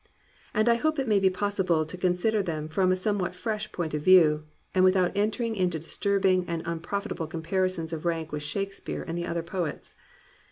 And I hope it may be possible to con sider them from a somewhat fresh point of view, and without entering into disturbing and unprofit able comparisons of rank with Shakespeare and the other poets.